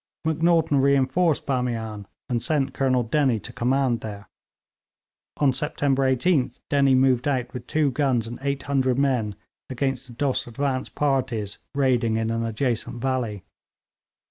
Macnaghten reinforced Bamian, and sent Colonel Dennie to command there. On September 18th Dennie moved out with two guns and 800 men against the Dost's advance parties raiding in an adjacent valley.